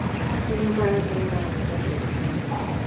Lonergan produced two textbooks in Christology.